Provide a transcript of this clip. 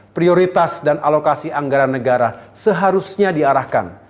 prioritas dan alokasi anggaran negara seharusnya diarahkan